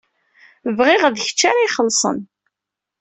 Bɣiɣ d kecc ara t-ixellṣen.